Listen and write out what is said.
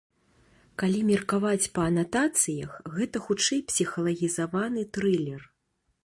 Калі меркаваць па анатацыях, гэта хутчэй псіхалагізаваны трылер.